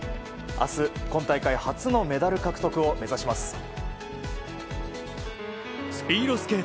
明日、今大会初のメダル獲得を目指します。